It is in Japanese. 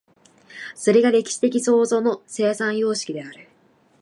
それが歴史的創造の生産様式である。